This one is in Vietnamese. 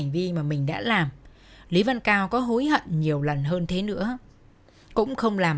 giá như lý văn cao không đắm chìm vào những cơn say